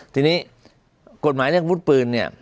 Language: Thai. ทีนี้กฏหมายเรื่องวุฒิปืน